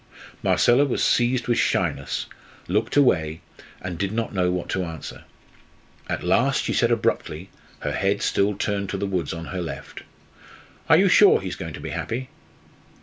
Marcella was seized with shyness, looked away, and did not know what to answer. At last she said abruptly her head still turned to the woods on her left "Are you sure he is going to be happy?"